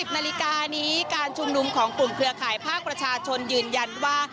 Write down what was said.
นาฬิกานี้การชุมนุมของกลุ่มเครือข่ายภาคประชาชนยืนยันว่า